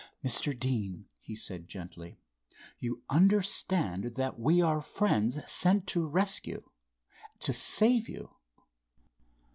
"Mr. Deane," he said, gently, "you understand that we are friends sent to rescue, to save you?"